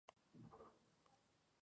La sede del condado es Pueblo.